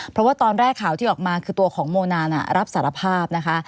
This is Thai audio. เพราะว่าตอนแรกข่าวที่ออกมาคือตัวของโมนานรับสารภาพนะคะ